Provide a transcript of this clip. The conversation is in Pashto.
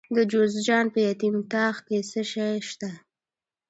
د جوزجان په یتیم تاغ کې څه شی شته؟